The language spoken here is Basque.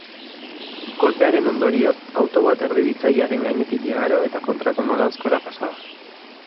Kolpearen ondorioz, auto bat erdibitzailearen gainetik igaro eta kontrako noranzkora pasa da.